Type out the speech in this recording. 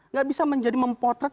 nggak bisa menjadi memperbaiki